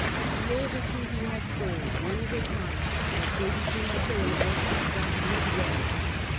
The older two he had sold, one at a time, as they be came saleable or got in his way.